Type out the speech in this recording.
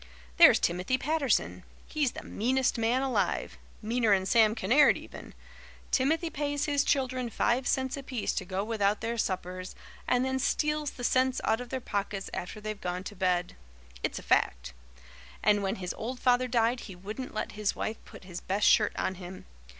There's Timothy Patterson. He's the meanest man alive meaner'n Sam Kinnaird even. Timothy pays his children five cents apiece to go without their suppers, and then steals the cents out of their pockets after they've gone to bed. It's a fact. And when his old father died he wouldn't let his wife put his best shirt on him.